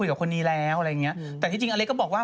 เน็ตไอดอลในแง่ไหนคะ